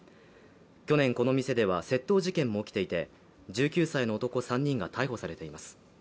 去年、この店では窃盗事件も起きていて、１９歳の男３人が逮捕されています。